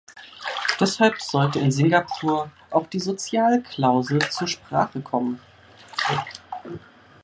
Deshalb sollte in Singapur auch die Sozialklausel zur Sprache kommen.